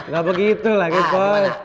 gak begitu lah guys po